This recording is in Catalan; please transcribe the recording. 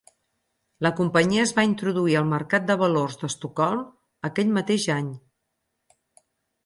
La companyia es va introduir al mercat de valors d"Estocolm aquell mateix any.